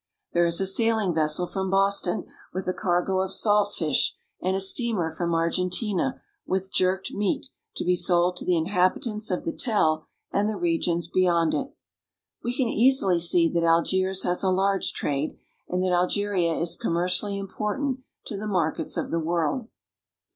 There is a sailing vessel from Boston with a cargo of salt fish, and a steamer from Argentina with jerked meat to be sold to the inhabitants of the Tell and the regions beyond it. We can easily see that Algiers has a large trade, and that Algeria is commer cially important to the markets of the world.